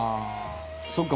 「そっか。